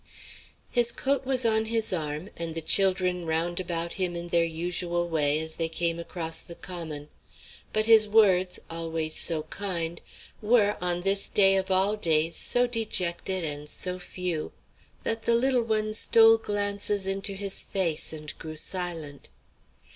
His coat was on his arm, and the children round about him in their usual way as they came across the common; but his words, always so kind, were, on this day of all days, so dejected and so few that the little ones stole glances into his face and grew silent.